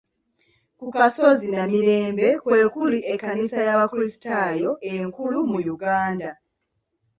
Ku kasozi Namirembe kwe kuli ekkanisa y'Abakristaayo enkulu mu Uganda.